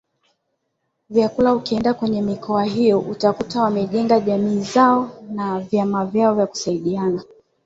vyakulaUkienda kwenye mikoa hiyo utakuta wamejenga jamii zao na vyama vyao vya kusaidiana